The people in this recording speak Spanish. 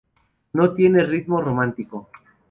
No tiene un ritmo romántico.